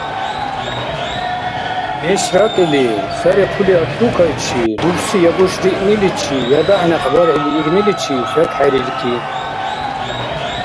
Неш ракӀили, сари хъули аррукайчи, рурси я гушриъниличи, я дяхӀ-някъ берхӀили игниличи шакхӀерирки.